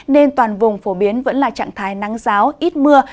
nên toàn vùng phổ biến vẫn là trạng thái nắng giáo ít mưa